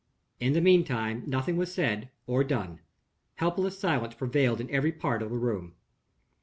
In the meantime, nothing was said or done. Helpless silence prevailed in every part of the room.